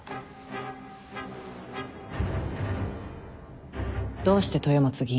どうして豊松議員を？